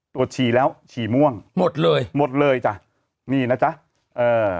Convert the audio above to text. ฉี่แล้วฉี่ม่วงหมดเลยหมดเลยจ้ะนี่นะจ๊ะเอ่อ